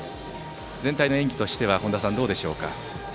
全体の演技としては本田さん、どうでしょうか。